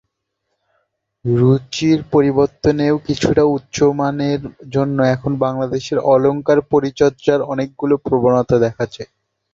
রুচির পরিবর্তনেও কিছুটা উচ্চ মূল্যমানের জন্য এখন বাংলাদেশে অলঙ্কার পরিচর্যায় অনেকগুলি প্রবণতা দেখা যায়।